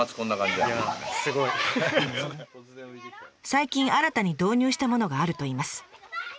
最近新たに導入したものがあるといいます。